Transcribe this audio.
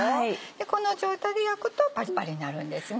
この状態で焼くとパリパリになるんですね。